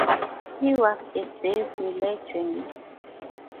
He was a Disney legend.